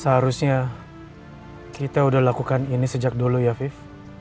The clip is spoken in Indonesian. seharusnya kita sudah lakukan ini sejak dulu ya vip